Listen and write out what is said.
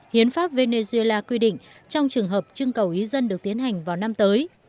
hiến pháp venezuela quy định trong trường hợp trưng cầu ý dân được tiến hành vào năm tới